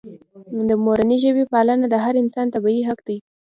د مورنۍ ژبې پالنه د هر انسان طبیعي حق دی.